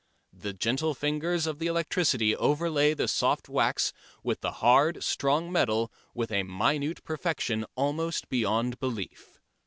The gentle fingers of the electricity overlay the soft wax with the hard, strong metal with a minute perfection almost beyond belief.